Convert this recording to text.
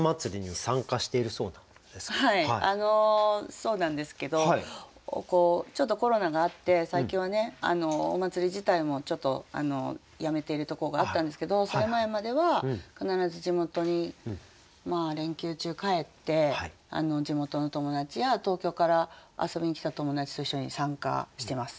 そうなんですけどちょっとコロナがあって最近はお祭り自体もちょっとやめているところがあったんですけどその前までは必ず地元に連休中帰って地元の友達や東京から遊びに来た友達と一緒に参加してます。